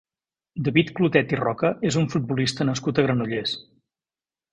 David Clotet i Roca és un futbolista nascut a Granollers.